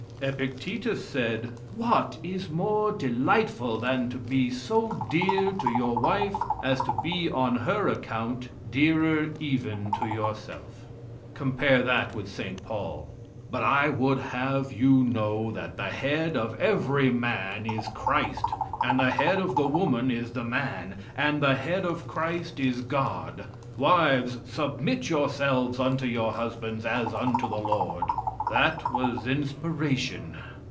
Epictetus said: "What is more delightful than to be so dear to your wife as to be on her account dearer even to yourself?" Compare that with St. Paul: "But I would have you know that the head of every man is Christ, and the head of the woman is the man, and the head of Christ is God. Wives, submit yourselves unto your husbands as unto the Lord." That was inspiration.